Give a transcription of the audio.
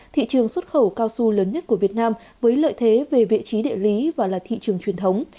thị trường xuất khẩu cao su lớn nhất của việt nam với lợi thế về vị trí địa lý và là thị trường truyền thống